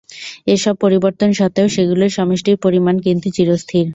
এ-সব পরিবর্তন সত্ত্বেও সেগুলির সমষ্টির পরিমাণ কিন্তু চিরস্থির।